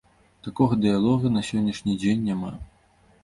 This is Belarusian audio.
Такога дыялога на сённяшні дзень няма.